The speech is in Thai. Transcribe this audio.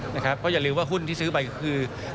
นะครับเพราะอย่าลืมว่าหุ้นที่ซื้อไปคือ